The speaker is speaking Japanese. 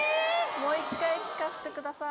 もう一回聴かせてください。